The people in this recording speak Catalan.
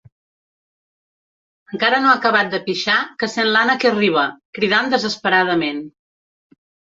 Encara no ha acabat de pixar que sent l'Anna que arriba, cridant desesperadament.